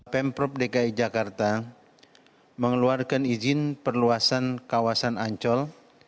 pemprov dki jakarta mengeluarkan izin perluasan kawasan ancol